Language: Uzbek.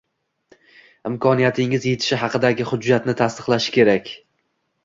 imkoniyatingiz yetishi haqidagi hujjatni tasdiqlashi kerak.